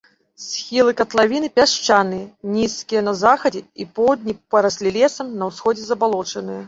Схілы катлавіны пясчаныя, нізкія, на захадзе і поўдні параслі лесам, на ўсходзе забалочаныя.